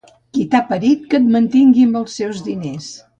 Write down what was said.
Qui t'ha parit que et mantingui amb els seus diners